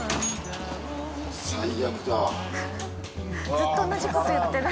ずっと同じこと言ってる。